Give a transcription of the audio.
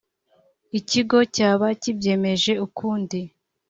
Ikigo cyaba kibyemeje ukundi